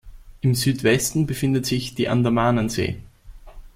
Im Südwesten befindet sich die Andamanensee.